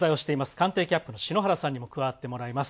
官邸キャップの篠原さんにも加わってもらいます。